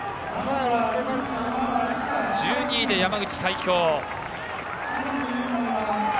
１２位で山口・西京。